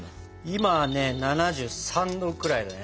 今ね７３℃くらいだね。